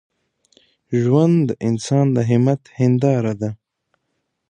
ژوند د انسان د همت هنداره ده.